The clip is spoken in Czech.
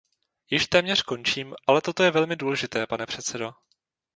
Již téměř končím, ale toto je velmi důležité, pane předsedo.